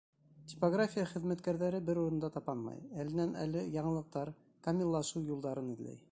Типография хеҙмәткәрҙәре бер урында тапанмай: әленән-әле яңылыҡтар, камиллашыу юлдарын эҙләй.